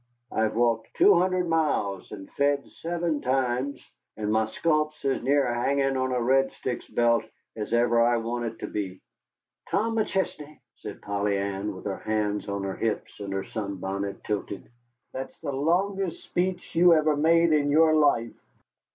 I've walked two hundred miles, and fed seven times, and my sculp's as near hangin' on a Red Stick's belt as I ever want it to be." "Tom McChesney," said Polly Ann, with her hands on her hips and her sunbonnet tilted, "that's the longest speech you ever made in your life."